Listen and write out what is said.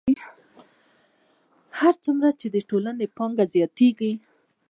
هر څومره چې د ټولنې پانګه زیاتېږي